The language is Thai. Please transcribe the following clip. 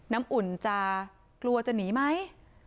น้ำอุ่นจะกลัวจะหนีไหม